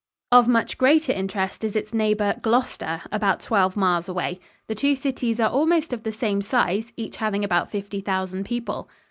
Of much greater interest is its neighbor, Gloucester, about twelve miles away. The two cities are almost of the same size, each having about fifty thousand people.